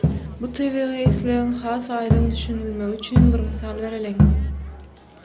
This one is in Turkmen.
Bu tebigy islegiň has aýdyň düşünilmegi üçin bir mysal bereliň.